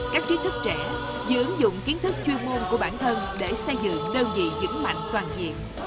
các trí thức trẻ vừa ứng dụng kiến thức chuyên môn của bản thân để xây dựng đơn vị vững mạnh toàn diện